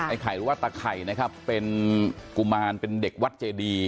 ไข่หรือว่าตะไข่นะครับเป็นกุมารเป็นเด็กวัดเจดี